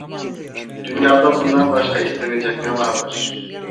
Dünyada bundan başka istenecek ne vardır?